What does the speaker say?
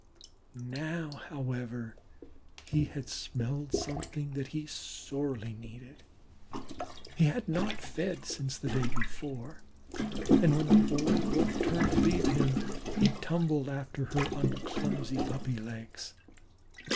Now, however, he had smelled something that he sorely needed. He had not fed since the day before, and when the old Wolf turned to leave him, he tumbled after her on clumsy puppy legs.